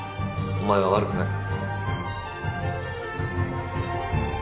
お前は悪くない。